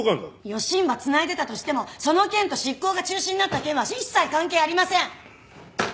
よしんば繋いでたとしてもその件と執行が中止になった件は一切関係ありません！